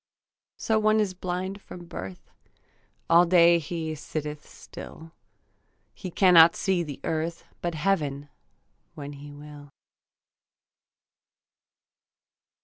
So one is blind from birth; All day he sitteth still; He cannot see the earth, But heaven when he will.